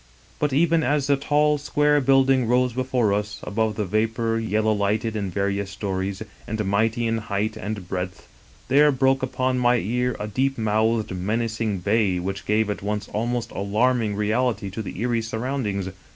But even as the tall, square build ing rose before us above the vapor, yellow lighted in various stories, and mighty in height and breadth, there broke upon my ear a deep mouthed, menacing bay, which gave at once almost alarming reality to the eerie surround ings.